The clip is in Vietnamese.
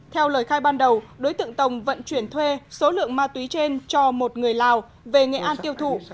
theo lời khai ban đầu đối tượng tổng vận chuyển thuê số lượng ma túy trên cho một người lào về nghệ an tiêu thụ